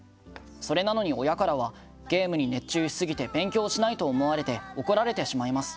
それなのに、親からはゲームに熱中しすぎて勉強しないと思われて怒られてしまいます。